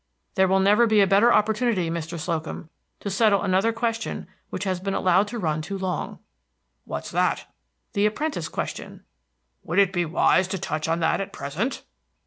There will never be a better opportunity, Mr. Slocum, to settle another question which has been allowed to run too long." "What's that?" "The apprentice question." "Would it be wise to touch on that at present?"